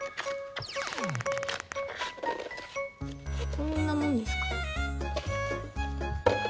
こんなもんですか。